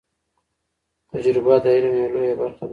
تجربه د علم یو لوی برخه ده.